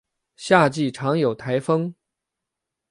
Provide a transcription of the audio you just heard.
夏季常有台风。